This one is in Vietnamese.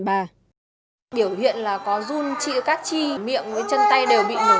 biểu hiện là có run trị cát chi miệng với chân tay đều bị nổ mổn hết rồi